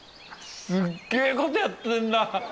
すっげえことやってんな。